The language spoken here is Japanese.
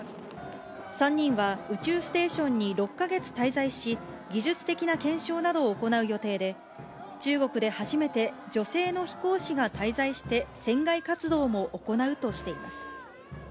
３人は宇宙ステーションに６か月滞在し、技術的な検証などを行う予定で、中国で初めて、女性の飛行士が滞在して船外活動も行うとしています。